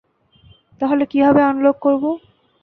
তাহলে কীভাবে আনলক করব?